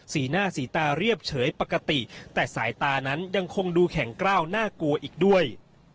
สีหน้าสีตาเรียบเฉยปกติแต่สายตานั้นยังคงดูแข็งกล้าวน่ากลัวอีกด้วย